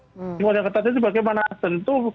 sistem kontrol yang ketat itu bagaimana tentu